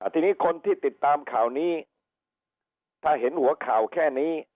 ทีนี้คนที่ติดตามข่าวนี้ถ้าเห็นหัวข่าวแค่นี้